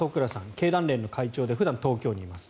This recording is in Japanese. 経団連の会長で普段、東京にいます。